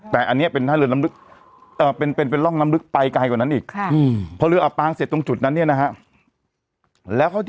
แต่อันนี้เป็นร่องน้ำดึกไปไกลกว่านั้นอีก